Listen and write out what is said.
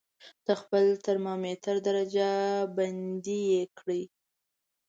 د خپل ترمامتر درجه بندي یې کړئ.